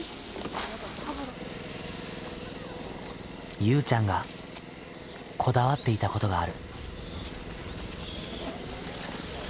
ゆうちゃんがこだわっていたことがある。